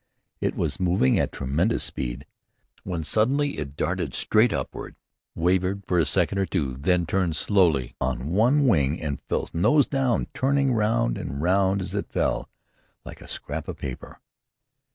It was moving at tremendous speed, when suddenly it darted straight upward, wavered for a second or two, turned slowly on one wing and fell, nose down, turning round and round as it fell, like a scrap of paper.